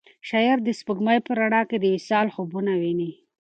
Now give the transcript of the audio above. شاعر د سپوږمۍ په رڼا کې د وصال خوبونه ویني.